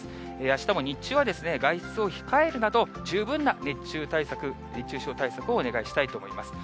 あしたも日中は外出を控えるなど、十分な熱中症対策をお願いしたいと思います。